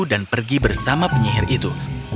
dan pergi bersama penyihir itu